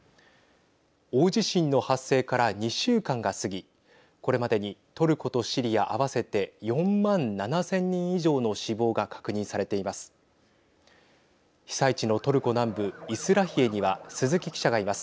大地震の発生から２週間が過ぎこれまでにトルコとシリア合わせて４万７０００人以上の死亡が確認されています。